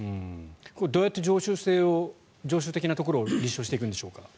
これはどうやって常習的なところを立証していくんでしょうか？